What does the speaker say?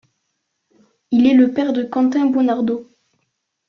Il est le père de Quentin Beunardeau.